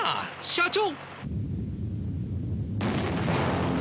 社長！